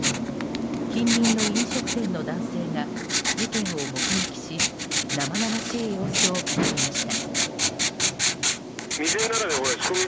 近隣の飲食店の男性が事件を目撃し生々しい様子を語りました。